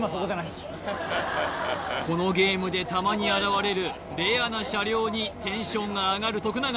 このゲームでたまに現れるレアな車両にテンションが上がる徳永